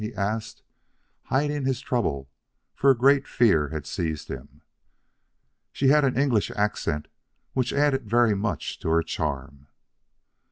he asked, hiding his trouble, for a great fear had seized him. "She had an English accent which added very much to her charm."